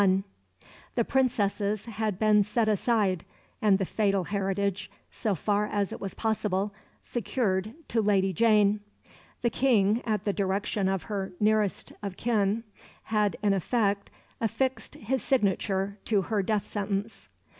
The Princesses had been set aside, and the fatal heritage, so far as it was possible, secured to Lady Jane. The King, at the direction of her nearest of kin, had in effect affixed his signature to her death sentence.